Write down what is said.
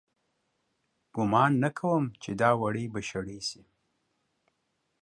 گومان نه کوم چې دا وړۍ به شړۍ سي